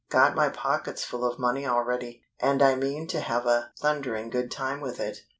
Got my pockets full of money already, and I mean to have a thundering good time with it.